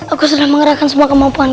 aku sudah mengerahkan semua kemampuanku